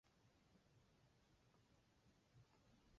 加利西亚邮报是西班牙加利西亚自治区的一份报纸。